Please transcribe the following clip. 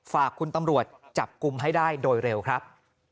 ฝากคุณตำรวจจับกลุ่มให้ได้โดยเร็วครับ